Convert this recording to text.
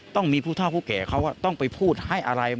ต้องมีผู้เท่าผู้แก่เขาต้องไปพูดให้อะไร